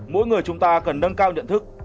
mỗi người chúng ta cần nâng cao nhận thức